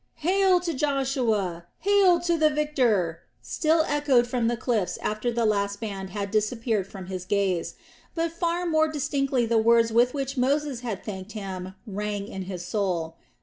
"Hail to Joshua! Hail to the victor!" still echoed from the cliffs after the last band had disappeared from his gaze. But far more distinctly the words with which Moses had thanked him rang in his soul.